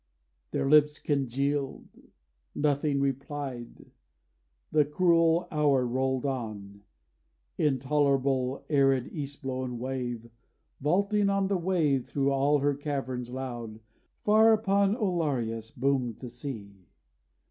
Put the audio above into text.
Their lips congealed Nothing replied. The cruel hour rolled on. Intolerable arid east blown wave Vaulting on wave thro' all her caverns loud, Far upon Oliaros boomed the sea.